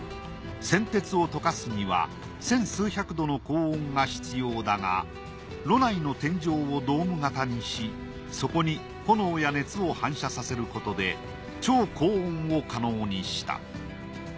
銑鉄を溶かすには千数百度の高温が必要だが炉内の天井をドーム型にしそこに炎や熱を反射させることで超高温を可能にした。